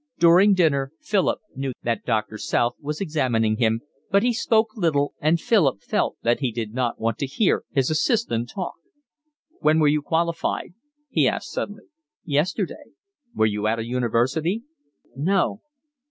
During dinner Philip knew that Doctor South was examining him, but he spoke little, and Philip felt that he did not want to hear his assistant talk. "When were you qualified?" he asked suddenly. "Yesterday." "Were you at a university?" "No."